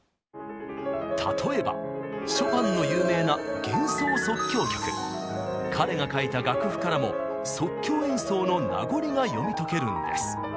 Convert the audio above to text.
例えばショパンの有名な彼が書いた楽譜からも即興演奏の名残が読み解けるんです。